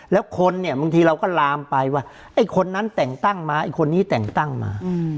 แล้วคนเนี่ยบางทีเราก็ลามไปว่าไอ้คนนั้นแต่งตั้งมาไอ้คนนี้แต่งตั้งมา